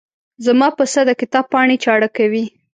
زما پسه د کتاب پاڼې چاړه کوي.